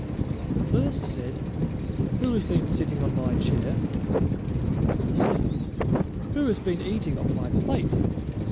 The first said, "Who has been sitting on my chair?" The second, "Who has been eating off my plate?"